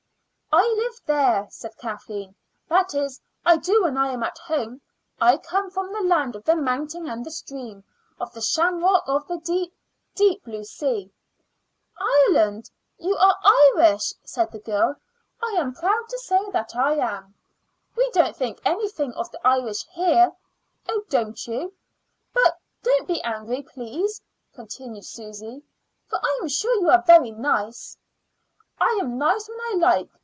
"I live there," said Kathleen "that is, I do when I am at home. I come from the land of the mountain and the stream; of the shamrock; of the deep, deep blue sea." "Ireland? Are you Irish?" said the girl. "I am proud to say that I am." "We don't think anything of the Irish here." "Oh, don't you?" "But don't be angry, please," continued Susy, "for I am sure you are very nice." "I am nice when I like.